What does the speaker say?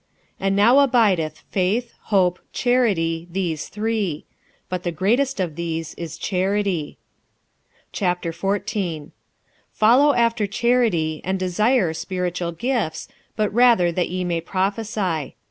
46:013:013 And now abideth faith, hope, charity, these three; but the greatest of these is charity. 46:014:001 Follow after charity, and desire spiritual gifts, but rather that ye may prophesy.